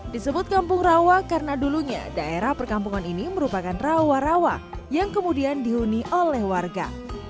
disebut kampung rawa karena dulunya daerah perkampungan ini merupakan rawa rawa yang kemudian dihuni oleh warga